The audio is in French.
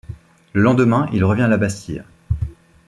Le lendemain, il revient à la Bastille.